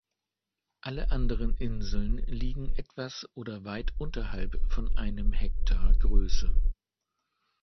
Alle anderen Inseln liegen etwas oder weit unterhalb von einem Hektar Größe.